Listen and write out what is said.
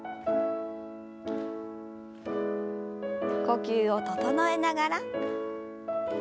呼吸を整えながら。